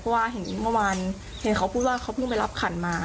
เพราะว่าเห็นเมื่อวานเห็นเขาพูดว่าเขาเพิ่งไปรับขันมา